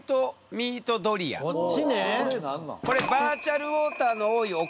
こっちね！